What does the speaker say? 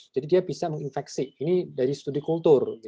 jadi dia bisa menginfeksi ini dari studi kultur